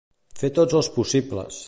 Fer tots els possibles.